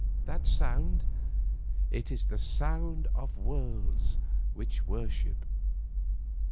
That sound? It is the voice of worlds which worship.